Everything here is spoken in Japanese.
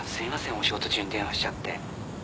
お仕事中に電話しちゃって。